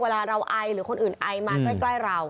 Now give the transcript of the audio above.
เวลาเราไอหรือคนอื่นไอมาใกล้เรา